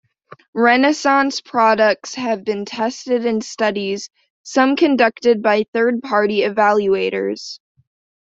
Renaissance products have been tested in studies, some conducted by third-party evaluators.